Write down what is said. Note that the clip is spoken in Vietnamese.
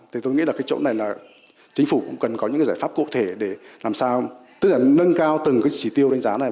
thì tôi nghĩ là cái chỗ này là chính phủ cũng cần có những cái giải pháp cụ thể để làm sao tức là nâng cao từng cái chỉ tiêu đánh giá này